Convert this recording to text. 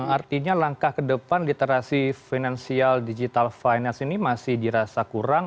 artinya langkah ke depan literasi finansial digital finance ini masih dirasa kurang